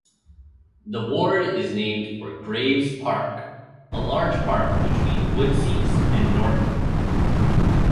The ward is named for Graves Park-a large park between Woodseats and Norton.